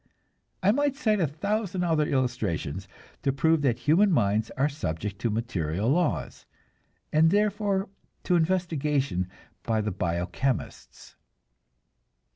I might cite a thousand other illustrations to prove that human minds are subject to material laws, and therefore to investigation by the bio chemists.